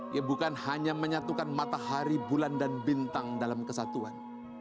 ya bukan hanya menyatukan matahari bulan dan bintang dalam kesatuan